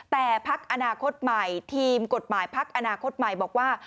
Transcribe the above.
แต่พักอนาคตใหม่ทีมกฎหมายพักอนาคตใหม่บอกว่า